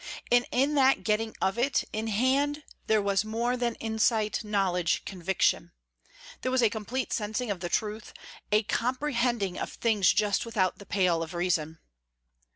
And in that getting of it in hand there was more than insight, knowledge, conviction. There was a complete sensing of the truth, a comprehending of things just without the pale of reason.